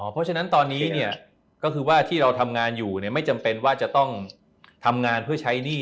เพราะฉะนั้นตอนนี้เนี่ยก็คือว่าที่เราทำงานอยู่ไม่จำเป็นว่าจะต้องทำงานเพื่อใช้หนี้